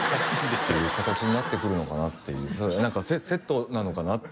っていう形になってくるのかなっていうなのかなって